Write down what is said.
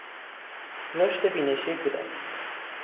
رشد بینشی کودک